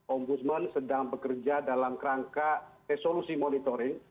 ombudsman sedang bekerja dalam rangka resolusi monitoring